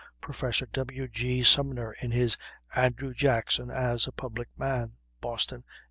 Prof. W. G. Sumner, in his "Andrew Jackson as a Public Man," Boston, 1882).